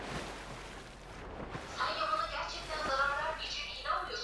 wafanyakazi nane kati yao walikuwa maafisa